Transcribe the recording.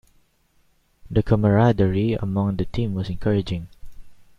The camaraderie among the team was encouraging.